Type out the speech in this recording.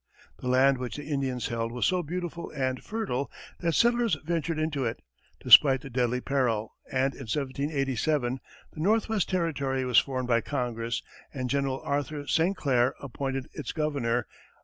The land which the Indians held was so beautiful and fertile that settlers ventured into it, despite the deadly peril, and in 1787, the Northwest Territory was formed by Congress, and General Arthur St. Clair appointed its governor.